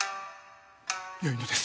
よいのです。